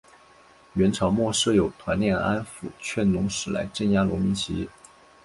元朝末设有团练安辅劝农使来镇压农民起义。